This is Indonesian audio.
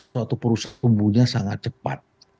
suatu perusahaan tumbuhnya sangat cepat